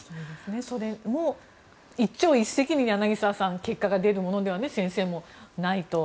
それも一朝一夕に柳澤さん結果が出るものではないと。